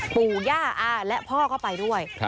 ปู่ย่าอาและพ่อก็ไปด้วย